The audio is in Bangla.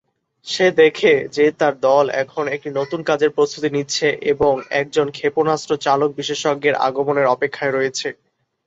সে দেখে যে তার দল এখন একটি নতুন কাজের প্রস্তুতি নিচ্ছে এবং একজন ক্ষেপণাস্ত্র চালক বিশেষজ্ঞের আগমনের অপেক্ষায় রয়েছে।